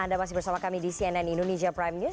anda masih bersama kami di cnn indonesia prime news